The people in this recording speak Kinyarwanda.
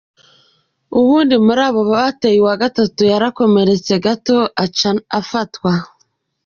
Uwundi muri abo bateye wa gatatu yakomeretse gato aca arafatwa.